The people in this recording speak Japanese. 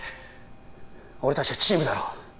俺達はチームだろ？